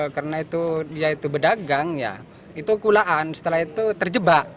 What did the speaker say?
karena itu bedagang itu kulaan setelah itu terjebak